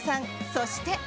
そして。